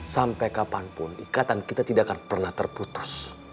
sampai kapanpun ikatan kita tidak akan pernah terputus